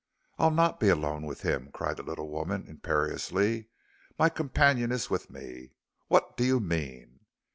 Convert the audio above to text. "I'll not be alone with him," cried the little woman, imperiously; "my companion is with me. What do you mean?"